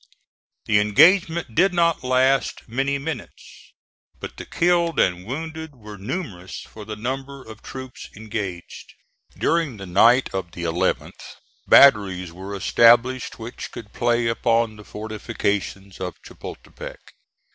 The engagement did not last many minutes, but the killed and wounded were numerous for the number of troops engaged. During the night of the 11th batteries were established which could play upon the fortifications of Chapultepec.